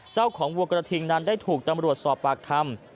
วัวกระทิงนั้นได้ถูกตำรวจสอบปากคำ